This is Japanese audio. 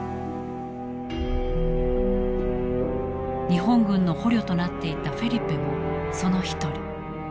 日本軍の捕虜となっていたフェリペもその一人。